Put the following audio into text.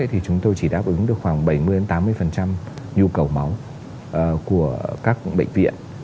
thì chúng tôi chỉ đáp ứng được khoảng bảy mươi tám mươi nhu cầu máu của các bệnh viện